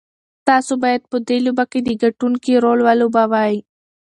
تاسو بايد په دې لوبه کې د ګټونکي رول ولوبوئ.